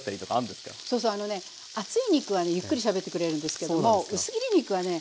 そうそうあのね厚い肉はねゆっくりしゃべってくれるんですけども薄切り肉はね